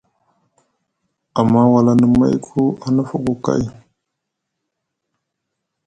Amma walani mayku a nufuku kay.